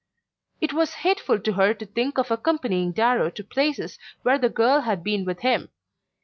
It was hateful to her to think of accompanying Darrow to places where the girl had been with him.